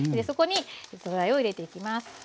そこに素材を入れていきます。